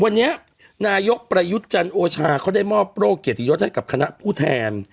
วันนี้นายกประยุทธ์จันโอชาเขาได้มอบโรคเกียรติยศให้กับคณะผู้แทน